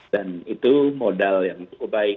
dan itu modal yang cukup baik